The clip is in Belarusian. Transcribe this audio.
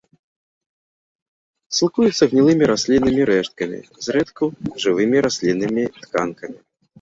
Сілкуюцца гнілымі расліннымі рэшткамі, зрэдку жывымі расліннымі тканкамі.